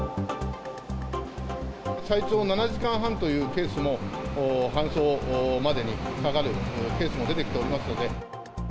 最長７時間半というケースも、搬送までにかかるケースも出てきておりますので。